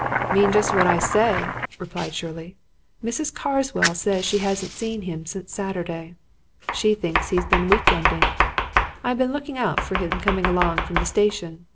"Mean just what I say," replied Shirley. "Mrs. Carswell says she hasn't seen him since Saturday. She thinks he's been week ending. I've been looking out for him coming along from the station.